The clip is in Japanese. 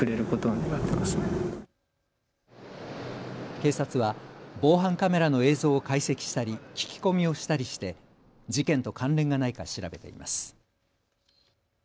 警察は防犯カメラの映像を解析したり聞き込みをしたりして事件と関連がないか調べています。